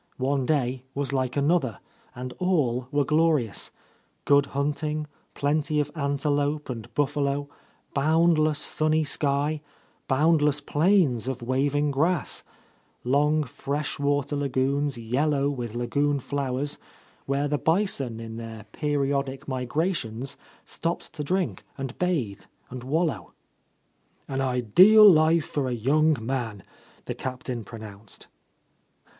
One day was like another, and all were glorious; good hunting, plenty of antelope and buffalo, boundless sunny sky, boundless plains of waving grass, long fresh water lagoons yellow with la goon flowers, where the bison in their periodic migrations stopped to drink and bathe and wal low. "An Ideal life for a young man," the Captain pronounced.